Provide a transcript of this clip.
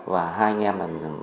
và hai anh em